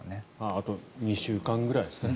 あと２週間くらいですね。